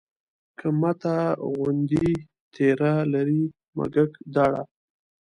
که مته غوندې تېره لري مږک داړه